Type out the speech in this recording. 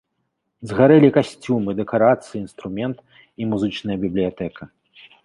Згарэлі касцюмы, дэкарацыі, інструмент і музычная бібліятэка.